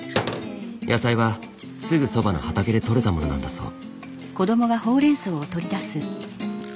野菜はすぐそばの畑でとれたものなんだそう。